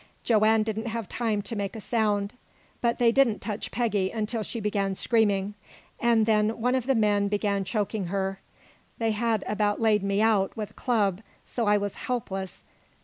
Joanne didn't have time to make a sound. But they didn't touch Peggy until she began screaming, and then one of the men began choking her. They had about laid me out with a club, so I was helpless.